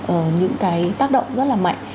ở những cái tác động rất là mạnh